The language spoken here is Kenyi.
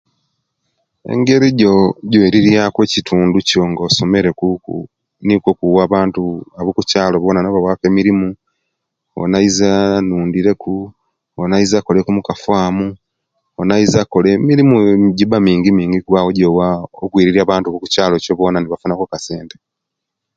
Engeri ejo ejoiriryaku ekitundu Kyo nga wasomere nikwo okuwaku abantu abokukyalo bona nibawaku emirimu ono aize anundire, Ono aize akole ku mukafamu emirimu jiba mingi mingi ejowa okuwirirya abantu abokukyalo cho bona nibafuna ku akasente